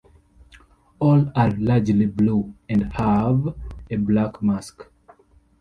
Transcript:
All are largely blue and have a black mask.